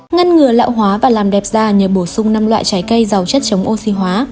ngăn ngừa lạ hóa và làm đẹp da nhờ bổ sung năm loại trái cây giàu chất chống oxy hóa